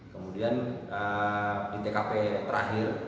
kemudian di tkp terakhir